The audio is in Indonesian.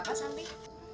masuk sekolah jam berapa